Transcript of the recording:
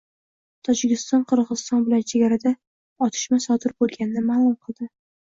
Tojikiston Qirg‘iziston bilan chegarada otishma sodir bo‘lganini ma'lum qildi